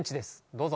どうぞ。